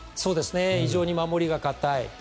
非常に守りが堅い。